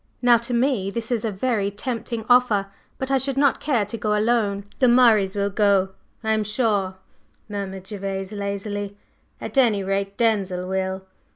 Now, to me this is a very tempting offer, but I should not care to go alone." "The Murrays will go, I am sure," murmured Gervase lazily. "At any rate, Denzil will."